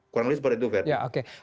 kurang lebih seperti itu